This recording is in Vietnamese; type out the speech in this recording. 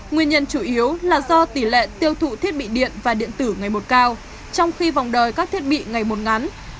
nguyên nhân chủ yếu là do tỷ lệ tiêu thụ thiết bị điện và điện tử ngày một cao trong khi vòng đời các thiết bị ngày một ngắn